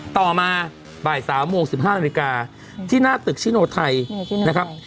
ต่อมาบ่าย๓โมง๑๕นาฬิกาที่หน้าตึกชิโนไทยนะครับ